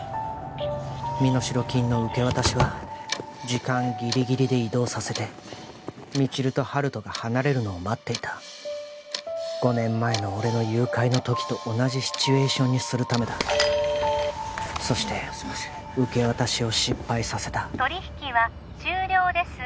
身代金の受け渡しは時間ギリギリで移動させて未知留と温人が離れるのを待っていた５年前の俺の誘拐の時と同じシチュエーションにするためだそして受け渡しを失敗させた取り引きは終了です